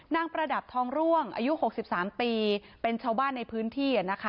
ประดับทองร่วงอายุ๖๓ปีเป็นชาวบ้านในพื้นที่